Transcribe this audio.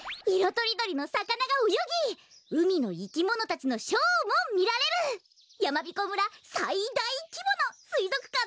とりどりのさかながおよぎうみのいきものたちのショーもみられるやまびこ村さいだいきぼのすいぞくかんなんですよ。